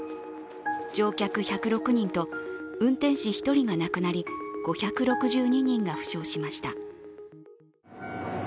乗客１０６人と運転士１人が亡くなり５６２人が負傷しました。